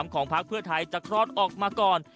ของพักเพื่อไทยจะคลอดออกมาก่อน